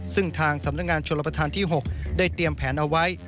ซึ่งทางสำนักงานชนรับประทานที่๖ได้เตรียมแผนเอาไว้